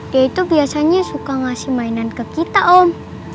dia itu biasanya suka ngasih mainan ke kita om